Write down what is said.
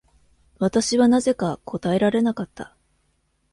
私はなぜか答えられなかった。